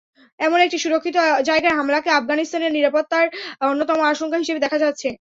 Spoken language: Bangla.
এমন একটি সুরক্ষিত জায়গায় হামলাকে আফগানিস্তানের নিরাপত্তায় অন্যতম আশঙ্কা হিসেবে দেখা হচ্ছে।